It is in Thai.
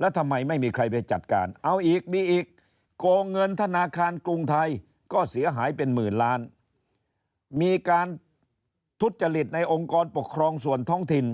แล้วทำไมไม่มีใครไปจัดการเอาอีกมีอีกโกงเงินธนาคารกรุงไทยก็เสียหายเป็นหมื่นล้านมีการทุจริตในองค์กรปกครองส่วนท้องถิ่น